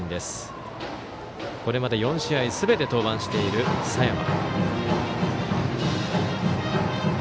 これまで４試合すべて登板している佐山。